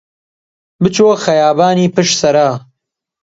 بچۆ خەیابانی پشت سەرا